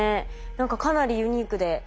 何かかなりユニークで。